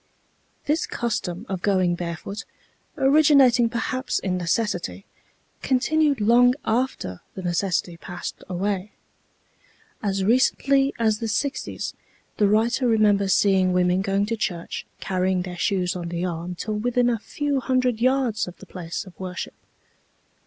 This custom of going barefoot, originating perhaps in necessity, continued long after the necessity passed away. As recently as the sixties, the writer remembers seeing women going to church carrying their shoes on the arm till within a few hundred yards of the place of worship.